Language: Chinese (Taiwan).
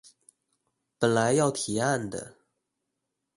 本來要提案的